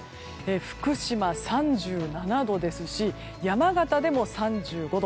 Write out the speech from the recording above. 福島、３７度ですし山形でも３５度。